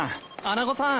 穴子さん。